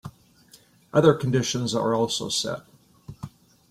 Other conditions are also set.